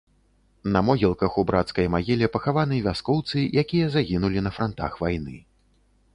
На могілках у брацкай магіле пахаваны вяскоўцы, якія загінулі на франтах вайны.